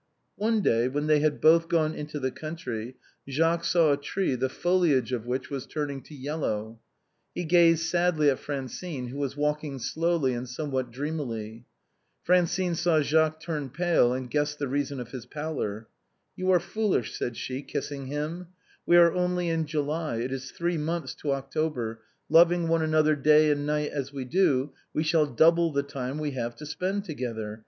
One day, when they had both gone into the country, Jacques saw a tree the foliage of which was turning to yellow. He gazed sadly at Francine, who was walking slowly and somewhat dreamily. Francine saw Jacques turn pale and guessed the reason of his pallor. " You are foolish," said she, kissing him, " we are only in July, it is three months to October, loving one another day and night as we do, we shall double the time we have to spend together.